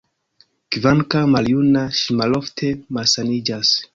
Kvankam maljuna, ŝi malofte malsaniĝas.